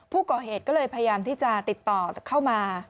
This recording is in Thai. ผู้ก่อเหตุก็เลยพยายามที่จะติดต่อเข้ามา